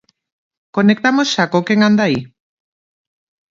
Conectamos xa co Quen anda aí?